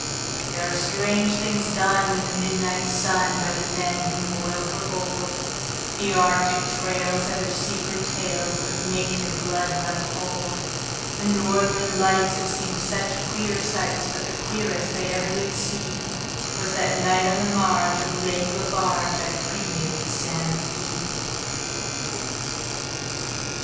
There are strange things done in the midnight sun By the men who moil for gold; The Arctic trails have their secret tales That would make your blood run cold; The Northern Lights have seen queer sights, But the queerest they ever did see Was that night on the marge of Lake Lebarge I cremated Sam McGee.